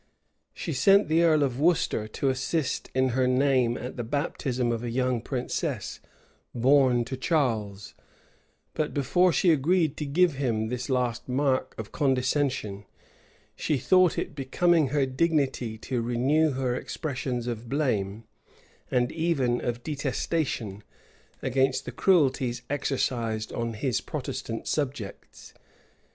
She sent the earl of Worcester to assist in her name at the baptism of a young princess, born to Charles; but before she agreed to give him this last mark of condescension, she thought it becoming her dignity to renew her expressions of blame, and even of detestation, against the cruelties exercised on his Protestant subjects.